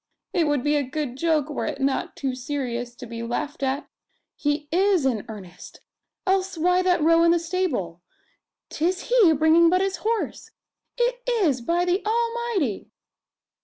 It would be a good joke were it not too serious to be laughed at. He is in earnest, else why that row in the stable? 'Tis he bringing but his horse! It is, by the Almighty!"